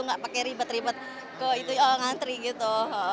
nggak pakai ribet ribet ke itu ngantri gitu